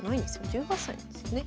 １８歳なんですよね。